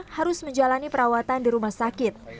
harus menjalani perawatan di rumah sakit